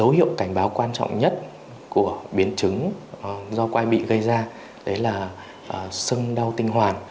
dấu hiệu cảnh báo quan trọng nhất của biến chứng do quay bị gây ra đấy là sưng đau tinh hoàn